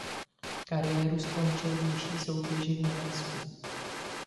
Kariéru končil v nižší soutěži v Německu.